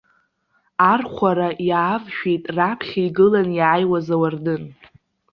Архәара иаавшәеит раԥхьа игыланы иааиуаз ауардын.